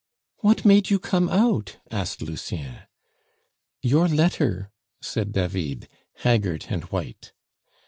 "What made you come out?" asked Lucien. "Your letter," said David, haggard and white.